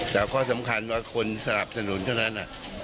แต่ข้อสำคัญว่าคนสนับสนุนเท่านั้น